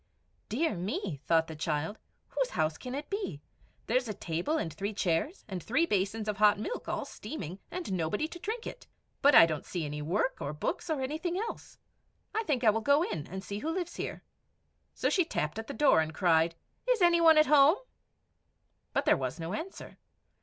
"Dear me," thought the child, "whose house can it be! There is a table and three chairs, and three basins of hot milk, all steaming, and nobody to drink it. But I don't see any work or books, or anything else. I think I will go in and see who lives here." So she tapped at the door, and cried, "Is any one at home?" But there was no answer.